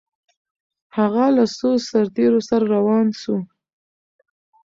هغه له څو سرتیرو سره روان سو؟